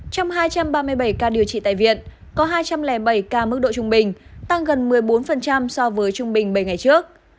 trong hai trăm ba mươi bảy ca điều trị tại viện có hai trăm linh bảy ca mức độ trung bình tăng gần một mươi bốn so với trung bình bảy ngày trước